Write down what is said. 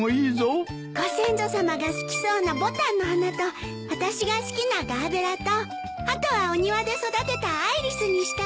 ご先祖さまが好きそうなボタンの花と私が好きなガーベラとあとはお庭で育てたアイリスにしたの。